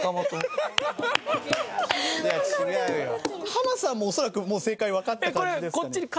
ハマさんも恐らくもう正解わかった感じですかね？